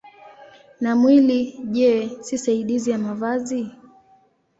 Na mwili, je, si zaidi ya mavazi?